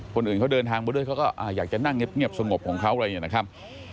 คนอื่นเขาเดินทางมาด้วยเขาก็อยากจะนั่งเงียบสงบของเขาอะไรอย่างนี้นะครับ